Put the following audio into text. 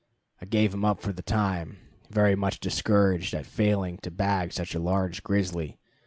I gave him up for the time, very much discouraged at failing to bag such a large grizzly.